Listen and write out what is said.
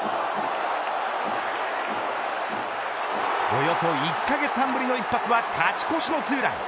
およそ１カ月半ぶりの一発は勝ち越しのツーラン。